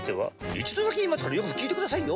一度だけ言いますからよく聞いてくださいよ。